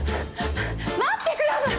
待ってください！